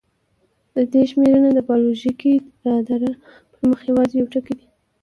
د دې شمېرنه د بایولوژیکي رادار پر مخ یواځې یو ټکی دی.